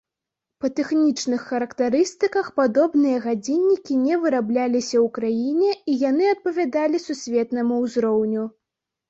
Па тэхнічных характарыстыках падобныя гадзіннікі не вырабляліся ў краіне і яны адпавядалі сусветнаму ўзроўню.